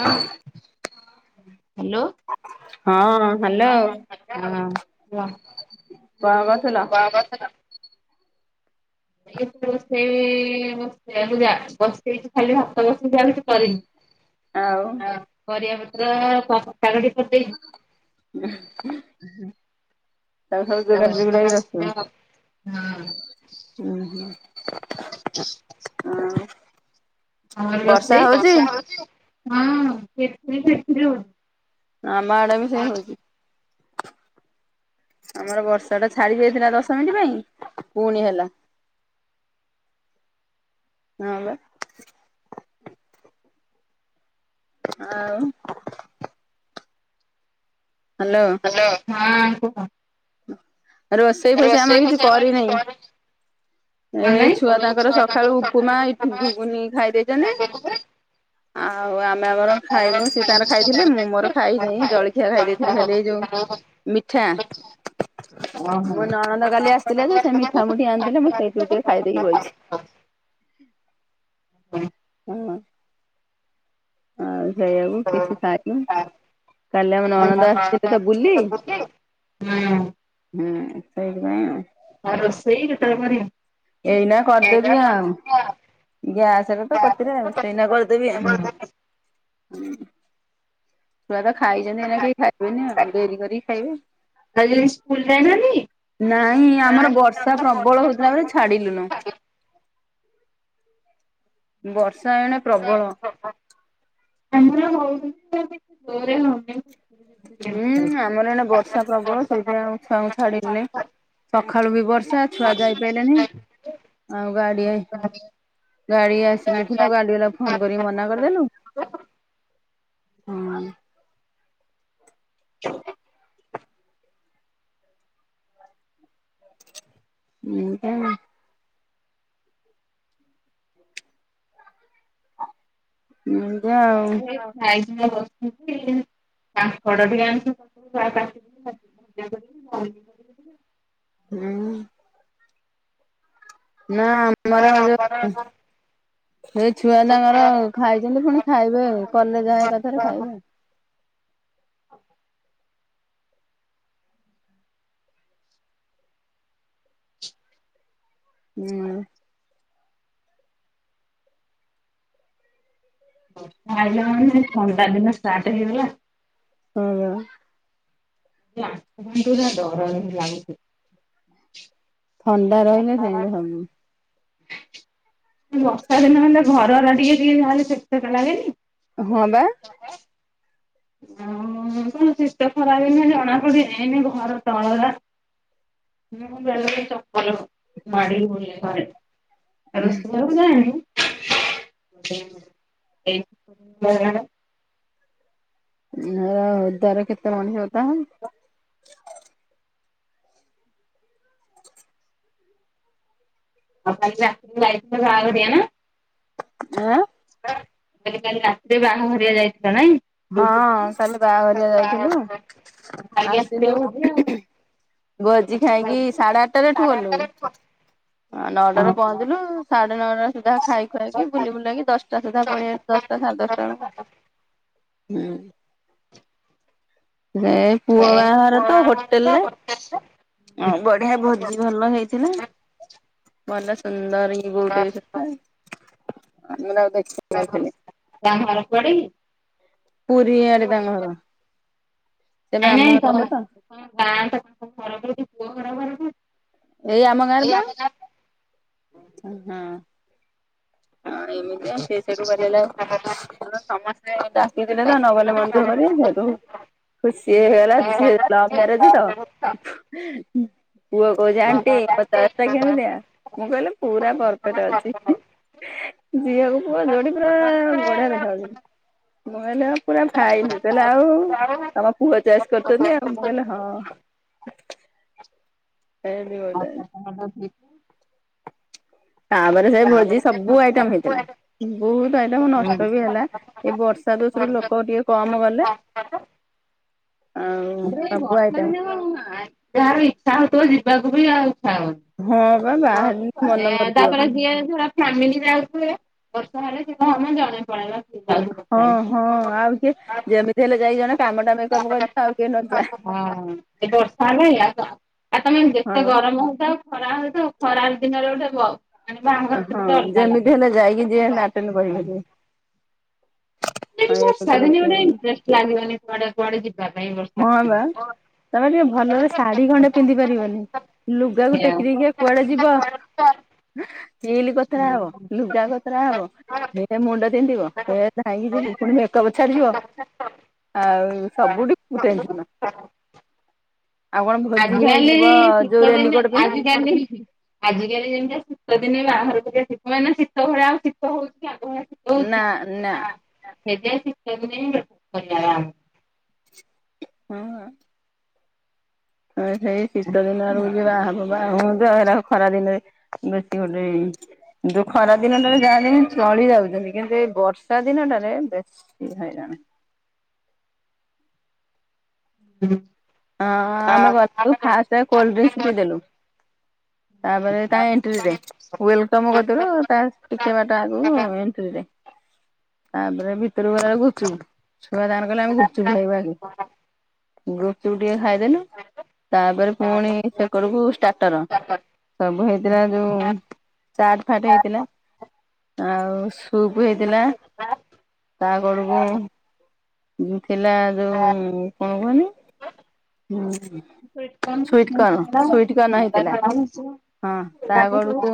ହଁ ହଁ ହ୍ୟାଲୋ। ହଁ ବା କଣ କରୁଥିଲ? କଣ କରୁଥିଲ? [unintelligible] ସେଇଆକୁ ଯା ବସେଇଛି ଖାଲି ଭାତ ବସିଚି ଆଉ କିଛି କରିନି। ଆଉ। ପରିବା ପତ୍ର [unintelligible] ଶାଗଟିକେ କରିଦେଇଛି। [unintelligible] ହୁଁ। ତାକୁ ସବୁ ଯୋଗାଡି ଯୁଗୁଡାକି ତମର ରଖିଥିବ ହୁଁ ହୁଁ। ହଁ ବର୍ଷା ରୋଷେଇ ହଉଛି? ହଁ। ଆମ ଆଡେ ବି ସେଇ ହୋଉଛି। ଆମର ବର୍ଷା ଟା ଛାଡି ଯାଇଥିଲା ଦଶ ମିନିଟ ପାଇଁ ପୁଣି ହେଲା ହଁ ବା ଆଉ ହ୍ୟାଲୋ। ହ୍ୟାଲୋ ହଁ କୁହ ରୋଷେଇ ଫସେଇ ଆମର କିଛି କରିନାଇଁ। ଏ ପାଇଁ? ଛୁଆ ତାଙ୍କର ସକାଳୁ ଉପୁମା ଘୁଗୁନି ଖାଇ ଦେଇଛନ୍ତି। ଆଉ ଆମେ ଆମର ଖାଇନୁ ସିଏ ତାଙ୍କର ଖାଇଥିଲେ ମୁଁ ମୋର ଖାଇନି ଜଳଖିଆ ଖାଇ ଦେଇଥିଲି ଖାଲି ଏଇ ଯୋଉ ମିଠା ମୁଁ ନଣନ୍ଦ କାଲି ଆସିଥିଲେ ଯେ ସେ ମିଠା ମୁଠି ଆଣିଥିଲେ ମୁଁ ସେଇଥିରୁ ଟିକେ ଖାଇଦେଇକି ବଇଛି। ହଁ ହେଇ ଆକୁ କିଛି ଖାଇନି। କାଲି ଆମର ନଣନ୍ଦ ଆସିଥିଲେ ତ ବୁଲି। ହୁଁ ହୁଁ ସେଇଥି ପାଇଁ ଆଉ ରୋଷେଇ କେତେବେଳେ କରିବ? ଏଇନା କରିଦେବି ଆଉ ଗ୍ୟାସରେ ତ ପତିରେ ସେଇନା କରିଦେବି ଆ ଛୁଆ ତ ଖାଇଛନ୍ତି ଏନା କେହି ଖାଇବେନି ଆଉ ଡେରି କରିକି ଖାଇବେ। ଆଜି ସ୍କୁଲ ଯାଇନାହାନ୍ତି? ନାଇଁ ଆମର ବର୍ଷା ପ୍ରବଳ ହଉଥିଲା ବଲି ଛାଡିଲୁନୁ। ବର୍ଷା ଏଣେ ପ୍ରବଳ। [unintelligible] [unintelligible] ହୁଁ ଆମର ଇଆଡେ ବର୍ଷା ପ୍ରବଳ ସେଇଥି ପାଇଁ ଛୁଆ କୁ ଛାଡିଲୁନି। ସଖାଳୁ ବି ବର୍ଷା ଛୁଆ ଯାଇପାରିଲନି ଆଉ ଗାଡି ଗାଡି ଆସିଲେ ଥିଲା ଗାଡି ବାଲା କୁ ଫୋନ କରି ମନା କରିଦେଲୁ। ହୁଁ ହଁ ହୁଁ ହ ଏମିତି ଆଉ ଖାଉଥିଲା [inaudible] କାଙ୍କଡବି [unintelligible] ହୁଁ ନା ଆମର ଯୋଉ ଏଇ ଛୁଆ ତାଙ୍କର ଖାଇଛନ୍ତି ପୁଣି ଖାଇବେ କଲେଜା କଥାରେ ଖାଇବେ ହୁଁ ଆଜ ମାନେ ଥଣ୍ଡାଦିନ ଷ୍ଟାର୍ଟ ହେଇଗଲା। ହଁ। କିନ୍ତୁ ନା ଡର ହିଁ ଲାଗୁଛି। ଥଣ୍ଡା ରହିଲେ ସେମିତି ହବୁ। ବର୍ଷା ଦିନ ହେଲେ ଘର ଟିକେ ଟିକେ ଯା ହେଲେ ସେକ ସେକ ଲାଗେନି। ହଁ ବା। ର କିଛି ତ ଖରା ହେଇନି ଜଣାପଡି ଏନି ଘର ତଳରା ହଁ ବେଳେ ବେଳେ ଚପଳ ମାଡ଼ିକି ବୁଲେ ଘରେ। ରୋଷେଇ ଘରକୁ ଯାଇନି [unintelligible] ଦାର କେତେ ମଣିଷ ଓଦା ହବ। [unintelligible] ଆଁ? ମୁଁ କଇଲି କାଲି ରାତିରେ ବାହାଘରଆ ଯାଇଥିଲ ନାଇଁ? ହଁ କାଲି ବାହାଘରିଆ ଯାଇଥିଲୁ ଆସିଲୁ [inaudible] ଭୋଜି ଖାଇକି ସାଢେ ଆଠଟାରେ ଏଠୁ ଗ। ନଅଟାରେ ପହଞ୍ଚିଲୁ ସାଢେ ନଅଟା ସୁଦ୍ଧା ଖାଇ ଖୁଆଇକି ବୁଲି ବୁଲାଇକି ଦଶ୍ ଟା ସୁଧା ପଳେଇ [unintelligible] ଦଶଟା ସାଢେ ଦଶଟା ବେଳକୁ, ହୁଁ। ଏ ପୁଅ ବାହାଘର ତ ହୋଟେଲ୍ ରେ। ହଁ ବଢିଆ ଭୋଜି ଭଲ ହେଇଥିଲା, ଭଲ ସୁନ୍ଦର୍ ବି ବୋହୂଟି [unintelligible] ଆମର ଆଉ [unintelligible] [unintelligible] ତାଙ୍କ ଘର କୁଆଡେ କି? ପୁରୀ ଆଡେ ତାଙ୍କ ଘର। ସେ ବ୍ରାହ୍ମଣ ଲୋକ ନାଇଁ-ନାଇଁ ତ [unintelligible] ଗାଁଟା [inaudible] ଏଇ ଆମ ଗାଁରେ ବା, ହଁ। ହଁ ଏମିତିଆ ସେ ସେଇଠୁ କଇଲେ [unintelligible] ଆଉ [unintelligible] [unintelligible] ଡାକିଥିଲେ ତ ନ ଗଲେ ମନ ଦୁଃଖ କରିବେ ସେଟୁ ଖୁସି ହେଇଗଲା [unintelligible] ଲଭ୍ ମ୍ୟାରେଜ ତ, ପୁଅ କହୁଚି ଆନ୍ଟି [unintelligible] ଟା କେମିତିିଆ, ମୁଁ କହିଲେ ପୁରା ପର୍ଫେଟ୍ ଅଛି ହିଁ। ଝିଅକୁ ପୁଅ ଯୋଡି ପୁରା ବଢିଆ ଦେଖାଯାଉଛି। ମୁଁ କହିଲି ଆଉ ପୁରା ଫାଇନ୍, ମୁଁ କହିଲି ଆଉ ତମ ପୁଅ ଚଏସ୍ କରିଚନ୍ତି ଆଉ, ମୁଁ କହିଲି ହଁ। [inaudible] [inaudible] ତାପରେ ସେ ଭୋଜି ସବୁ ଆଇଟମ୍ ହେଇଥିଲା, ବହୁତ୍ ଆଇଟମ ନଷ୍ଟ ବି ହେଲା। ଏଇ ବର୍ଷା ଦୋଷରୁ ଲୋକ ଟିକେ କମ ଗଲେ, ଆଉ ସବୁ ବର୍ଷା ଆଇଟମ ଦିନେ କଣ ଯାହାର ଇଚ୍ଛା ହଉଥିବ ଯିବାକୁ ବି ଆଉ ଇଚ୍ଛା ହବନି। ହଁ। ବା [inaudible] ବାହାରିଲେ ମନ ମରିଯିବ ଫ୍ୟାମିଲି ଯାଉଥିବେ, ବର୍ଷା ହେଲେ ସିଏ [unintelligible] ଜଣେ [unintelligible] ବର୍ଷାରେ। ହଁ-ହଁ ଆଉ କିଏ ହଁ ଯେମିତି ହେଲେ ଯାଇ ଜଣେ କାମଟା ମେକପ୍ କରିଦିଅ ଆଉ କିଏ ନଜା। ଏ ବର୍ଷା ହେଲେ ଆଉ ତ ଆଉ ତମେ ହଁ ଯେତେ ବା ଗରମ୍ ମୁଁ [unintelligible] ଖରା ହଉଥବ ଖରା ଦିନରେ ଗୋଟେ ବ ହଁ ଯେମିତି ହେଲେ ଯାଇକି ଯିଏ ହେଲେ ଆଟେଣ୍ଡ କରିପାରିବେ [inaudible] [unintelligible] ହଁ ବର୍ଷା ଏମିତିରେ ଦିନେ କିଏ ଗୋଟେ ମନ ଇଣ୍ଟ୍ରେଷ୍ଟ୍ ଲାଗିବନି କୁଆଡେ-କୁଆଡେ ଯି ହଁ ବା, ତମେ ଟିକେ ଭଲରେ ଶାଢୀ ଖଣ୍ଡେ ପିନ୍ଧି ପାରିବନି। ଲୁଗାକୁ ଟେକି ଟେକିକା କୁଆଡେ ଯିବ। ହିଲ୍ କୋତରା ହବ, ଲୁଗା କୋତରା ହବ। ହେ ମୁଣ୍ଡ ବିନ୍ଧିବ ହେ ଧାଇଁକି ଯିବି ପୁଣି ମେକପ୍ ଛାଡିଯିବ। ଆଉ ସବୁଠି [unintelligible] ଆଉ କଣ ଭୋଜି ଆଜିକାଲି ଖାଇଯିବ ଯୋଉ ଶୀତ ଦିନେ ରେନୀକୋଟ ପିନ୍ଧିକି। [inaudible] ଆଜିକାଲି ଯେମ୍ତିଆ ଶୀତ ଦିନେ ବାହାଘର [unintelligible] ମାନେ ଶୀତ ଭଳିଆ ଆଉ ଶୀତ ନା ହଉଚି ନା ଆଗ ଭଳିଆ [inaudible] ହଁ। ହଁ ସେଇ ଶୀତ ଦିନ ଆଡୁକୁ [unintelligible] ବାହବ। ଯ ଏଟା ଖରା ଦିନରେ ବେଶୀ ଗୋଟେ ଯୋଉ ଖରା ଦିନଟା ଜା ଚଳି ଯାଉଛନ୍ତି କିନ୍ତୁ ଏଇ ବର୍ଷା ଦିନଟାରେ ବେଶୀ ହଇରାଣ। [inaudible] ହଁ ଆମେ ଗଲୁ ଫାର୍ଷ୍ଟ କୋଲଡ୍ରିଂକ୍ସ ପିଇଦେଲୁ। ତାପରେ ତା ଏଣ୍ଟ୍ରିରେ ୱେଲକମ୍ [unintelligible] ତା ଟିକେ ବାଟ ଆଗକୁ ଏଣ୍ଟ୍ରିରେ ତାପରେ [unintelligible] ଛୁଆ ତାଙ୍କର କହିଲେ ଆମେ ଗୁପଚୁପ ଖାଇବା ଟିକେ ଖାଇଦେଲୁ ତାପରେ ପୁଣି ସେକରକୁ ଷ୍ଟାଟର ସବୁ ହେଇଥିଲା ଯୋଉ ଚାଟ ଫାଟ ହେଇଥିଲା। ଆଉ ସୁପ୍ ହେଇଥିଲା। ତା କଡକୁ ଥିଲା ଯୋଉ କଣ କୁହନି [inaudible] ଛୁଆମାନେ ସୁଇଟ କର୍ନ ସୁଇଟ କନ ହେଇଥିଲା ହଁ ତାଗରକୁ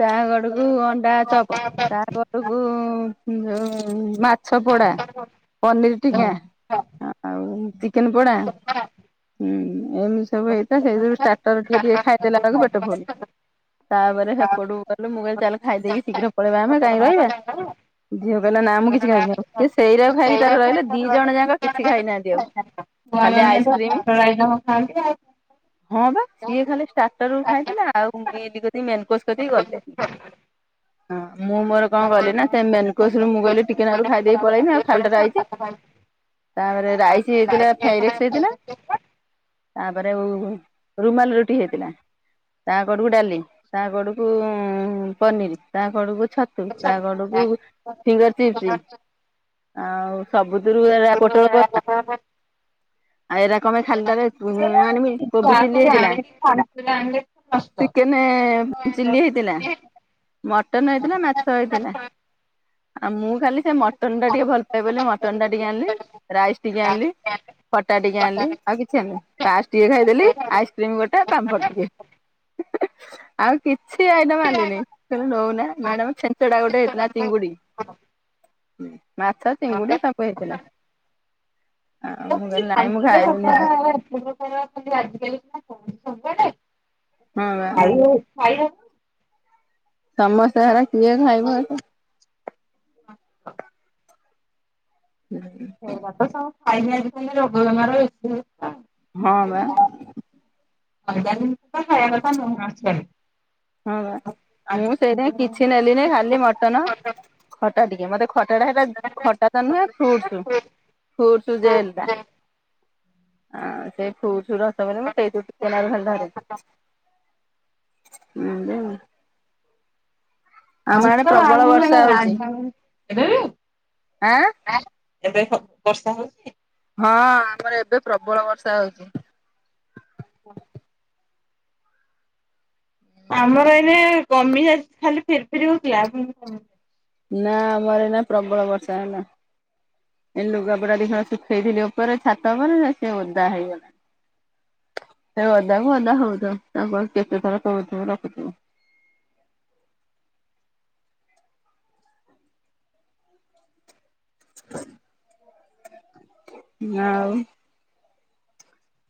ତା କଡକୁ ଅଣ୍ଡା ଚପ ତା ତାକୁ ମାଛ ପୋଡ଼ା ପନିର ଟିକା। ଆଉ ଚିକେନ ପୋଡା। ହୁଁ ଏମିତି ସବୁ ହେଇଥା ସେଇ ସବୁ ଷ୍ଟାଟର ଟିକେ ଟିକେ ଖାଇଦେଲା ବେଳକୁ ପେଟ ଫୁଲ। ତାପରେ ସେପଟକୁ ଗଲୁ ମୁଁ କହିଲି ଚାଲ ଖାଇ ଦେଇକି ଶୀଘ୍ର ପଳେଇ ଆମେ କାହିଁକି ରହିବା। ଝିଅ କହିଲା ନା ମୁଁ କିଛି ଖାଇବି ଆଉ ସେଇରାକୁ ଖାଇକି ତାର ରହିଲେ ଦି ଜଣ ଯାକ କିଛି ଖାଇନାହାନ୍ତି ଆଉ। ଖାଲି [unintelligible] ଆଇସ୍କ୍ରିମ ନ ଖାଆନ୍ତି ଆଉ ହଁ ବା ସିଏ ଖାଲି ଷ୍ଟାଟର ରୁ ଖାଇଥିଲା ଆଉ ମିଲ କରିି ମେନକୋ କରିକି ଗଲେ। ହଁ ମୁଁ ମୋର କଣ କଲି ନା ସେ ମେନକୋସରୁ ମୁଁ କହିଲି ଟିକେନା ର ଖାଇ ଦେଇେଇ ପଳେଇି ଆଉ ଖାଲିଟା ର ଆଇଛି। ତାପରେ ରାଇସ୍ ହେଇଥିଲା ଫ୍ରାଇରାଇକ୍ସ ହେଇଥିଲା। ତାପରେ ରୁମାଲ ରୁଟି ହେଇଥିଲା ତା କରକୁ ଡାଲି। ତା କଡକୁ ପନିର ତା କଡକୁ ଛତୁ ତା ଗଡକୁ ଫିଙ୍ଗର ଚିପ୍ସ ଆଉ ସବୁଥିରୁ ପୋଟଳ ଆଉ ଏଇରା କଣ ପାଇଁ ଖାଲିଟାରେ ସେଇରା ତ ଆଣିବି କୋବି ସବୁ ଚିଲ୍ଲି ହେଇଥିଲା। ଚିକେନ ଚିଲିି ହେଇଥିଲା ମଟନ ହେଇଥିଲା ମାଛ ହେଇଥିଲା। ଆଉ ମୁଁ ଖାଲି ସେ ମଟନ ଟା ଟିକେ ଭଲପଏ ବୋଲି ମଟନ୍ ଟା ଟିକେ ଆଣିଲି ରାଇସ ଟିକେ ଆଣିଲି। ଖଟା ଟିକେ ଆଣିଲି ଆଉ କିଛି ଆଣି ପାଇସ ଟିକେ ଖାଇଦେଲି ଆଇସ୍କ୍ରିମ ଗୋଟେ ପାମ୍ପଡ ଟିକେ। ଆଉ କିଛି ଆଇଟମ୍ ଆଣିଲିନି। କ ରହୁନା ମ୍ୟାଡାମ ସେଛଞ୍ଚଡା ଗଟେ ହେଇଥିଲା ଚିଙ୍ଗୁଡି। ମାଛ ଚିଙ୍ଗୁଡି ସବୁ ହେଇଥିଲା ଆଉ। ମୁଁ କହିଲି ନାଇଁ ମୁଁ ଖାଇବିନି ହେଲେ। [unintelligible] ଆଜି କାଲି ହଁ ବା [unintelligible] ସମସ୍ତେ ସାରା କିଏ ଖାଇବ ଏତେ। ହୁଁ [unintelligible] [unintelligible] ହଁ ବା। ମଇଦାନ ଖାଇବା କଥା ନୁହ [unintelligible] ହଁ ବା ମୁଁ ସେଇଥି କିଛି ନେଲିନି ଖାଲି ମଟନ ଖଟା ଟିକେ ମତେ ଖଟା ଟା ହେଲା ଖଟା ତ ନୁହେଁ ଫ୍ରୁଟ ଫ୍ରୁଟ ଜଲ ଟା ଆଁ ସେ ଫ୍ରୁଟ ଅସ ମୁଁ ସେଇୁଥିରୁ ଟିକେ ନଖୁରୁ ଧରିଲି। ଏଇଆ ଆମ ପ୍ରବଳ ବର୍ଷା। ହଉଛି [unintelligible] [unintelligible] ଆଁ ଏବେ ବର୍ଷା ହଉଛି। ହଁ ଆମର ଏବେ ପ୍ରବଳ ବର୍ଷା ହଉଛି। ଆମର ଏଇନା କମି ଯାଇଛି ଖାଲି ଫିରି ଫିରି ହଉଥିଲା। ନା ଆମର ଏଇନା ପ୍ରବଳ ବର୍ଷା ହେଲା। ଲୁଗାପଟା ଦି ଖଣ ଶୁଖେଇଥିଲି ଉପରେ ଛାତ ଉପରେ ନା ସେ ଓଦା ହେଇଗଲା। ସେ ଅଦା କ ଅଦା ହଉଥାଉ ତାକୁ କେତେ ଥର କହୁଥିବ ରଖୁଥିବ। ହ ଆଉ।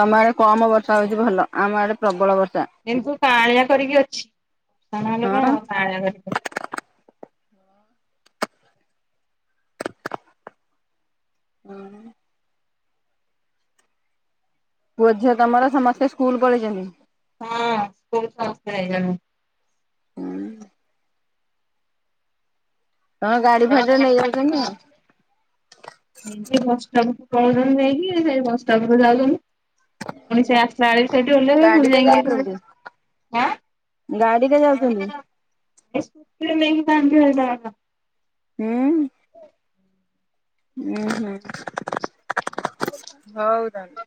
ତମ ଆଡ଼େ କମ ବର୍ଷା ହଉଛି ଭଲ ଆମ ଆଡ଼େ ପ୍ରବଳ ବର୍ଷା। କିନ୍ତୁ [unintelligible] କରିକି ଅଛି ସାାନ ହେଲେ ହଁ। କଣ ହବ [unintelligible] କରିକି ହୁଁ। ପୁଅ ଝିଅ ତମର ସମସ୍ତେ ସ୍କୁଲ ପଳେଇଛନ୍ତି? ହଁ। [inaudible] ହଁ ଗାଡ଼ି ଫାଡ଼ିରେ ନେଇଯାଉଛନ୍ତି ଆଉ। ସେ ବସ ଷ୍ଟପକୁ ପଳଉଛନ୍ତି ନେଇକି ସେଇ ବସ୍ ଷ୍ଟପକୁ ଯାଉଛନ୍ତି। ପୁଣି ସେ ଆସିଲା ସେଇଠି ଓହ୍ଲାଇବେ ଗାଡିରେ ପୁଣି ଯାଇକି ଗାଡ଼ିରେ ଯାଉଛନ୍ତି? [unintelligible] [unintelligible] [unintelligible] [unintelligible] [unintelligible] ହୁଁ। ହୁଁ ହୁଁ ହଉ।